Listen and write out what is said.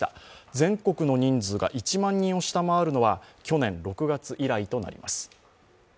全国の人数が１万人を下回るのは、去年６月以来となります。